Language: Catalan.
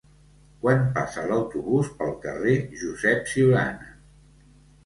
Quan passa l'autobús pel carrer Josep Ciurana?